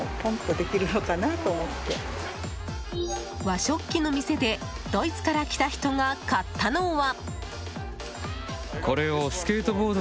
和食器の店でドイツから来た人が買ったのは。